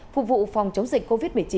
phục vụ phòng chống dịch covid một mươi chín